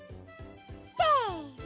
せの。